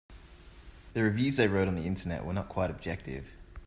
The reviews they wrote on the Internet were not quite objective.